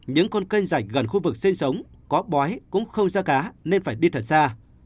những con canh rạch gần khu vực sinh sống có bói cũng không ra cá nên phải đi thật ra